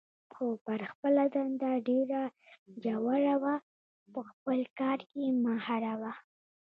خو پر خپله دنده ډېره جوړه وه، په خپل کار کې ماهره وه.